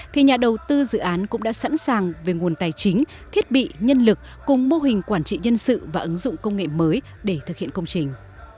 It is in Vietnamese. thì nhà đầu tư dự án cũng đã sẵn sàng về nguồn tài chính thiết bị nhân lực cùng mô hình quản trị nhân sự và ứng dụng công nghệ mới để thực hiện công trình